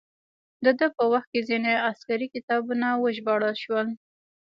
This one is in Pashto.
د ده په وخت کې ځینې عسکري کتابونه وژباړل شول.